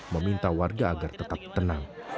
meminta warga agar tetap tenang